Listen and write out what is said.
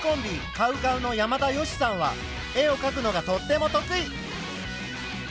ＣＯＷＣＯＷの山田善しさんは絵をかくのがとっても得意。